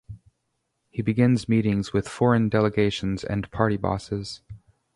He begins meetings with foreign delegations and party bosses.